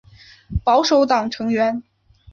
保守党成员。